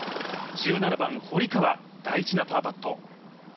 １７番堀川、大事なパーパット。